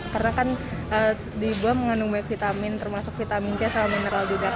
karena kan di buah mengandung banyak vitamin termasuk vitamin c sama mineral juga